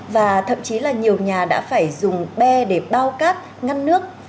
và thậm chí là nhiều nhà đã phải dùng be để bao cát ngăn nước